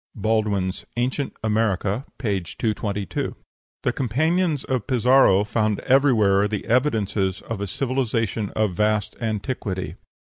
(Baldwin's "Ancient America," p. 222.) The companions of Pizarro found everywhere the evidences of a civilization of vast antiquity.